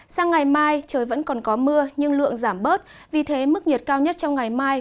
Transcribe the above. sang ngày mai trời vẫn còn có mưa nhưng lượng giảm bớt vì thế mức nhiệt cao nhất trong ngày mai